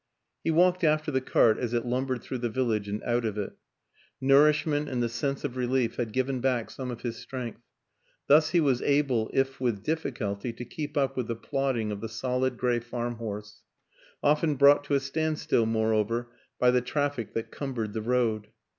He walked after the cart as it lumbered through the village and out of it. Nourishment and the sense of relief had given back some of his strength; thus he was able, if with difficulty, to keep up with the plodding of the solid gray farm horse often brought to a standstill, moreover, by the traffic that cumbered the road.